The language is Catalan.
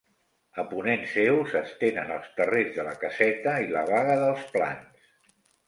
A ponent seu s'estenen els Terrers de la Caseta i la Baga dels Plans.